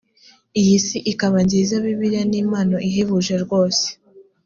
iyi si ikaba nziza bibiliya ni impano ihebuje rwose